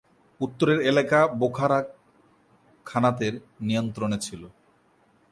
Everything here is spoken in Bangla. উত্তরের এলাকা বুখারা খানাতের নিয়ন্ত্রণে ছিল।